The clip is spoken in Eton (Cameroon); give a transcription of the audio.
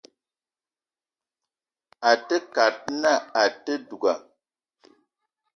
Àte kad na àte duga